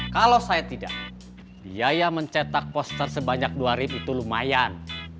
kalau saya tidak biaya mencetak poster sebanyak dua ribu itu lumayan